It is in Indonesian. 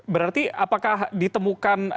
berarti apakah ditemukan